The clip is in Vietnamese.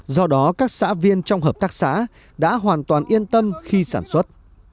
do đó các xã viên trong hợp tác xã đã hoàn toàn yên tâm khi sản xuất